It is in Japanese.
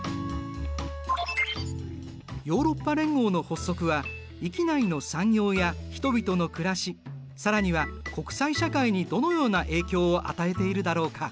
ヨーロッパ連合の発足は域内の産業や人々の暮らし更には国際社会にどのような影響を与えているだろうか。